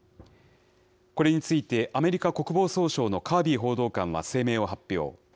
これについてアメリカ国防総省のカービー報道官は声明を発表。